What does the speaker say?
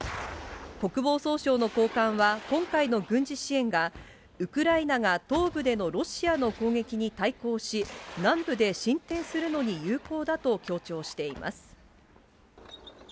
国防総省の高官は、今回の軍事支援が、ウクライナが東部でのロシアの攻撃に対抗し、南部で進展するのに有効だと強調しています。